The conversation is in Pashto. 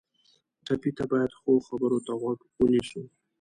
ټپي ته باید ښو خبرو ته غوږ ونیسو.